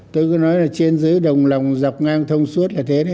tôi cứ nói là trên dưới đồng lòng dọc ngang thông suốt